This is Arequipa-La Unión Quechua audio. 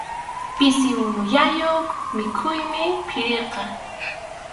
Pisi unullayuq mikhuymi phiriqa.